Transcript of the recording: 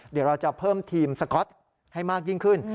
เดี๋ยวเราจะเพิ่มทีมสก๊อตให้มากยิ่งขึ้น